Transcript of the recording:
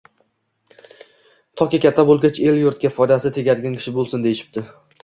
Toki katta bo‘lgach, el-yurtga foydasi tegadigan kishi bo‘lsin», - deyishibdi